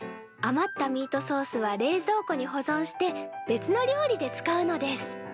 余ったミートソースは冷蔵庫に保存して別の料理で使うのです。